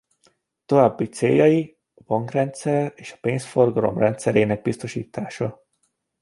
További céljai a bankrendszer és a pénzforgalom rendszerének biztosítása.